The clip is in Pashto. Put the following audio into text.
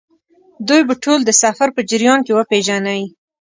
دوی به ټول د سفر په جریان کې وپېژنئ.